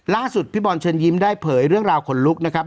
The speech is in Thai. พี่บอลเชิญยิ้มได้เผยเรื่องราวขนลุกนะครับ